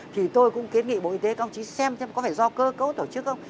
thì tôi cũng kiến nghị bộ y tế các ông chí xem xem có phải do cơ cấu tổ chức không